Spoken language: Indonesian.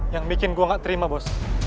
yang bikin gue gak terima bos